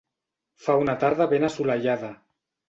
Fa una tarda ben assolellada.